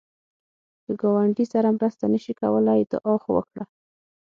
که ګاونډي سره مرسته نشې کولای، دعا خو وکړه